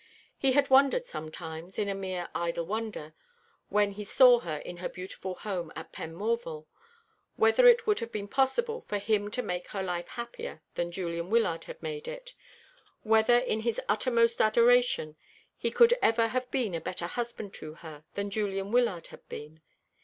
He had wondered sometimes in a mere idle wonder, when he saw her in her beautiful home at Penmorval whether it would have been possible for him to make her life happier than Julian Wyllard had made it; whether in his uttermost adoration he could ever have been a better husband to her than Julian Wyllard had been.